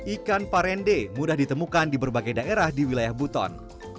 ikan parende mudah ditemukan di berbagai daerah di wilayah buton